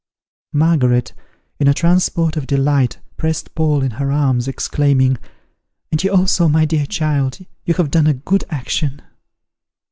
Margaret, in a transport of delight, pressed Paul in her arms, exclaiming, "And you also, my dear child, you have done a good action."